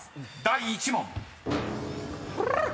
［第１問］